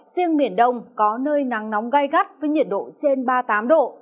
riêng miền đông có nơi nắng nóng gai gắt với nhiệt độ trên ba mươi tám độ